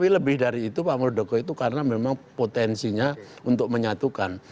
lebih dari itu pak muldoko itu karena memang potensinya untuk menyatukan